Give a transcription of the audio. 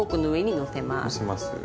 のせます。